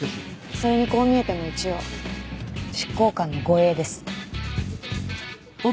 それにこう見えても一応執行官の護衛です。